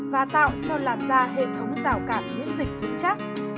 và tạo cho làn da hệ thống rào cạn những dịch vụn chắc